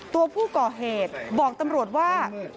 ตัวผู้ก่อเหตุบอกตำรวจว่า